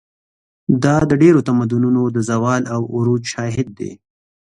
دا د ډېرو تمدنونو د زوال او عروج شاهد دی.